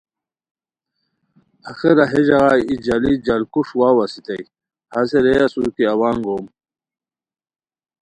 آخرا ہے ژاغہ ای جالی جالکوݰ واؤ اسیتائے ہسے رے اسور کی اوا انگوم